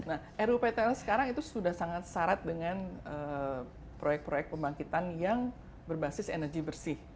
nah ruptl sekarang itu sudah sangat syarat dengan proyek proyek pembangkitan yang berbasis energi bersih